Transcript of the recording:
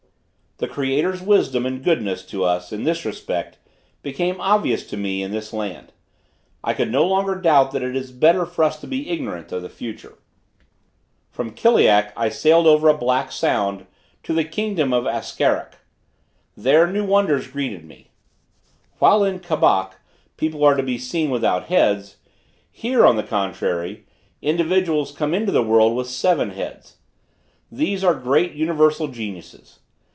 The Creator's wisdom and goodness to us in this respect became obvious to me in this land. I could no longer doubt that it is better for us to be ignorant of the future. From Kiliak I sailed over a black sound to the kingdom of Askarak; there new wonders greeted me. While in Cabac, people are to be seen without heads, here, on the contrary, individuals come into the world with seven heads. These are great universal geniuses.